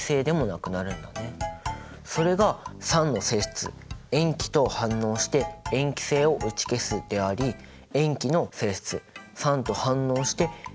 それが酸の性質塩基と反応して塩基性を打ち消すであり塩基の性質酸と反応して酸性を打ち消すということなんだ。